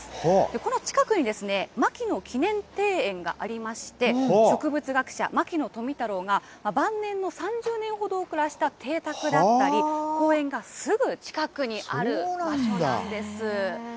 この近くにですね、牧野記念庭園がありまして、植物学者、牧野富太郎が晩年の３０年ほどを暮らした邸宅だったり、公園がすぐ近くにある場所なんです。